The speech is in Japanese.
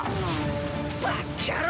バッキャロ！